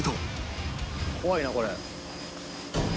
怖いなこれ。